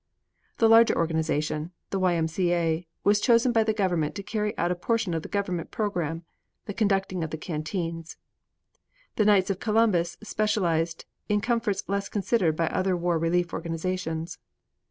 The larger organization, the Y. M. C. A., was chosen by the government to carry out a portion of the government program the conducting of the canteens. The Knights of Columbus specialized in comforts less considered by other war relief organizations.